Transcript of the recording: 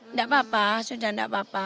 enggak apa apa sudah enggak apa apa